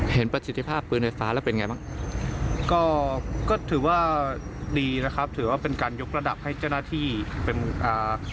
ประสิทธิภาพปืนไฟฟ้าแล้วเป็นไงบ้างก็ก็ถือว่าดีนะครับถือว่าเป็นการยกระดับให้เจ้าหน้าที่เป็นอ่า